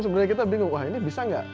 sebenarnya kita bingung wah ini bisa nggak